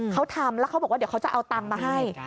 เขาทำแล้วเขาบอกว่าเดี๋ยวเขาจะเอาตังค์มาให้